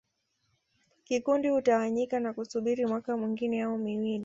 Kikundi hutawanyika na kusubiri mwaka mwingine au miwili